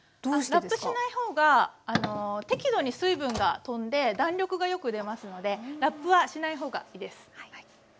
ラップしない方が適度に水分が飛んで弾力がよく出ますのでラップはしない方がいいです。